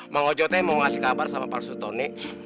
mau nguju teh mau ngasih kabar sama pak suto nih